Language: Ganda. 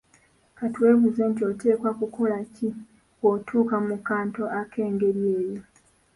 Kati weebuuze nti oteekwakukola ki bw'otuuka mu kattu ak'engeri eyo?